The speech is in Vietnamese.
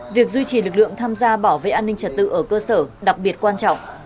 việc duy trì lực lượng tham gia bảo vệ an ninh trật tự ở cơ sở đặc biệt quan trọng